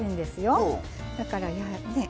だからねえ